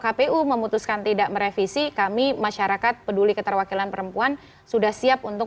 kpu memutuskan tidak merevisi kami masyarakat peduli keterwakilan perempuan sudah siap untuk